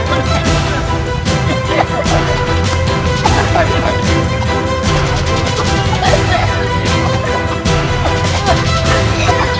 aku sudah tidak mau lagi